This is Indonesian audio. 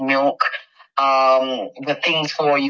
makan malam dan makan malam